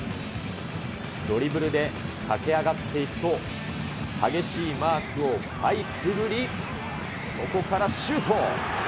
ドリブルで駆け上がっていくと、激しいマークをかいくぐり、ここからシュート。